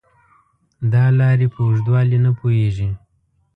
دا لارې په اوږدوالي نه پوهېږي .